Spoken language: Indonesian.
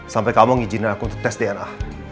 sampai kamu ngizinkan aku untuk tes dna